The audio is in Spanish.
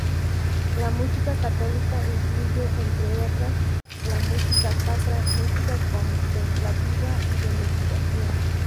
La música católica incluye, entre otras, la música sacra, música contemplativa y de meditación.